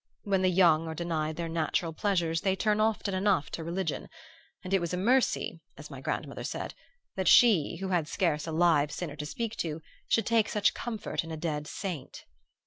When the young are denied their natural pleasures they turn often enough to religion; and it was a mercy, as my grandmother said, that she, who had scarce a live sinner to speak to, should take such comfort in a dead saint.